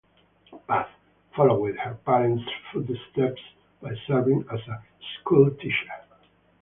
Paz, followed her parents' footsteps by serving as a schoolteacher.